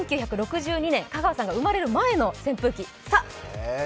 １９６２年香川さんが生まれる前の扇風機。